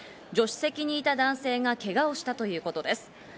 助手席にいた男性がけがをしたということです。